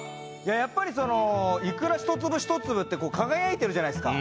やっぱりそのイクラ１粒１粒って輝いてるじゃないっすか。